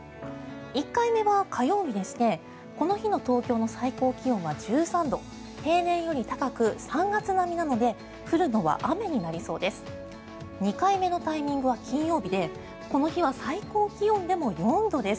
１回目は火曜日でしてこの日の東京の最高気温は１３度平年より高く、３月並みなので降るのは雨になりそうです。